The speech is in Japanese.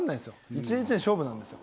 １日の勝負なんですよ。